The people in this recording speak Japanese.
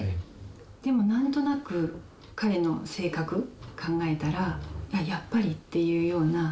でもなんとなく、彼の性格考えたら、やっぱりっていうような。